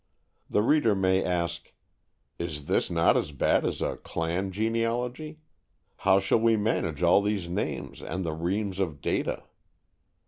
The reader may ask, "Is this not as bad as a 'clan' genealogy? How shall we manage all these names and the reams of data?"